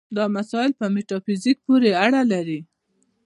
دا مسایل په میتافیزیک پورې اړه لري.